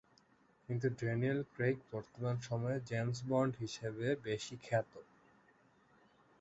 কিন্তু Daniel Craig বর্তমান সময়ে "জেমস বন্ড" হিসেবে বেশি খ্যাত।